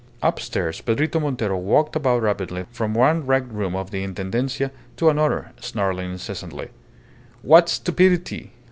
Upstairs Pedrito Montero walked about rapidly from one wrecked room of the Intendencia to another, snarling incessantly "What stupidity!